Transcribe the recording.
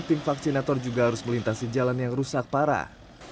tim vaksinator juga harus melintasi jalan yang rusak parah